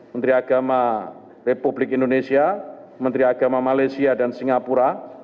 menteri agama republik indonesia menteri agama malaysia dan singapura